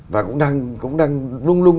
và cũng đang lung lung